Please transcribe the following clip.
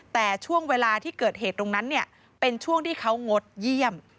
แต่ช่วงเวลาที่เกิดเหตุตรงนั้นเป็นช่วงที่เขางดเยี่ยม